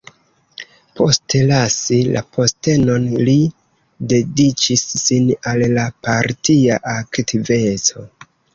Poste lasi la postenon, li dediĉis sin al la partia aktiveco.